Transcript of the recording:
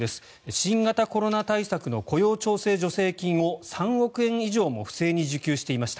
新型コロナ対策の雇用調整助成金を３億円以上も不正に受給していました。